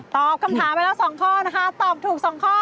ตอบคำถามไปแล้ว๒ข้อนะคะตอบถูก๒ข้อ